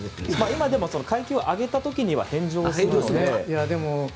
今、階級を上げた時には返上するので。